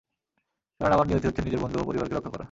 কারণ আমার নিয়তি হচ্ছে নিজের বন্ধু ও পরিবারকে রক্ষা করা।